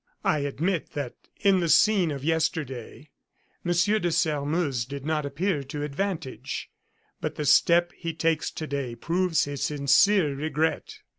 I admit that in the scene of yesterday, Monsieur de Sairmeuse did not appear to advantage; but the step he takes today proves his sincere regret."